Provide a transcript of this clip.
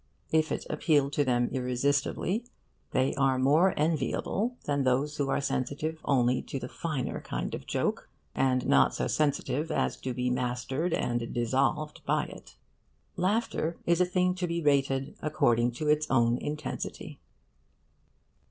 If it appeal to them irresistibly, they are more enviable than those who are sensitive only to the finer kind of joke and not so sensitive as to be mastered and dissolved by it. Laughter is a thing to be rated according to its own intensity.